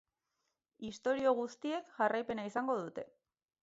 Istorio guztiek jarraipena izango dute.